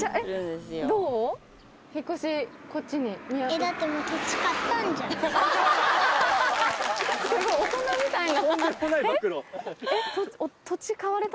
すごい大人みたいな。